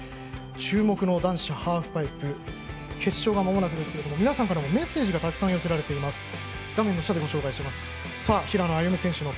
注目の男子ハーフパイプ決勝がまもなくですけども皆さんからのメッセージがたくさん寄せられています。